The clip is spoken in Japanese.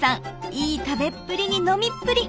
いい食べっぷりに飲みっぷり！